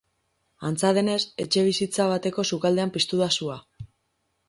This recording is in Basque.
Antza denez, etxebizitza bateko sukaldean piztu da sua.